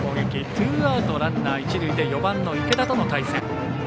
ツーアウト、ランナー、一塁４番の池田との対戦。